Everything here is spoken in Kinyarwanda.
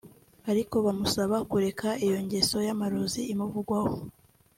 ariko bamusaba kureka iyo ngeso y’amarozi imuvugwaho